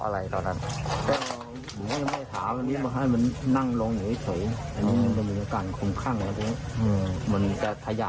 ในคนเนี่ยมันจัดมันมัก